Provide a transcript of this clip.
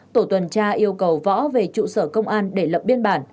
tổ tuần tra yêu cầu võ về trụ sở công an để lập biên bản